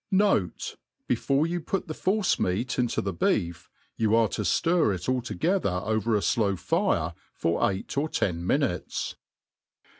Note, before you put the force meat ihto the beef, you arc to ftir it all together over a flow fire for eight or ten minutes.